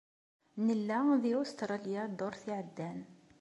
Nella di Usṭralya ddurt iɛeddan.